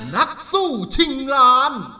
นักสู้ชิงล้าน